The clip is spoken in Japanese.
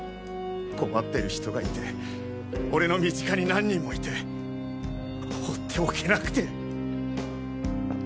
困っている人がいて俺の身近に何人もいて放っておけなくて。